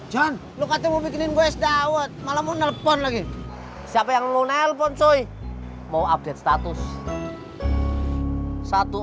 john lo katanya bikinin gue es daun malah mau nelfon lagi siapa yang ngelpon coy mau update status satu